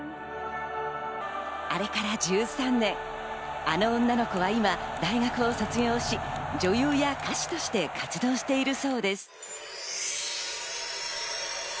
あれから１３年、あの女の子は今、大学を卒業し、女優や歌手として活動しているそうです。